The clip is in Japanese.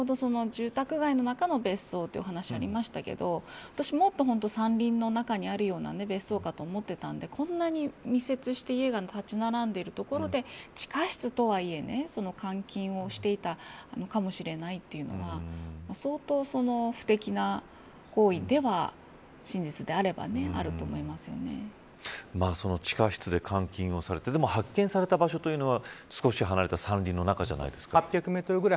住宅街の中の別荘というお話がありましたが私は、もっと山林の中にある別荘かと思っていたんでこんなに密接して家が立ち並んでいる所で地下室とはいえ、監禁をしていたかもしれないというのは相当、不適な行為では真実であればね地下室で監禁されてでも発見された場所というのは少し離れた山林の中じゃないですか。